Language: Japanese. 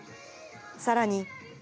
さらに。